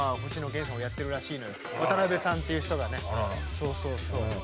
そうそうそう。